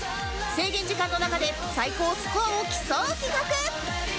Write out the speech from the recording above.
制限時間の中で最高スコアを競う企画